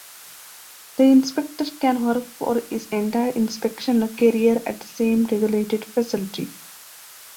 The inspector can work for his entire inspection career at the same regulated facility.